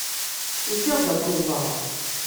Usiɣ-d ad ken-ẓreɣ.